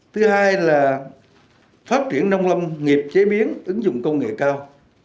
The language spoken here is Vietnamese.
thứ hai là phát triển nông lâm nghiệp chế biến ứng dụng công nghệ cao